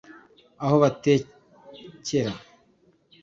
aho batekera